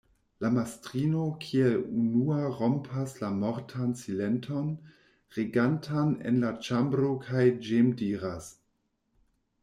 La mastrino kiel unua rompas la mortan silenton, regantan en la ĉambro kaj ĝemdiras: